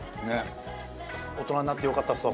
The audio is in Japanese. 大人になってよかったですわ